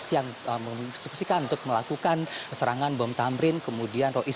yang disuksikan untuk melakukan serangan bom tamrin kemudian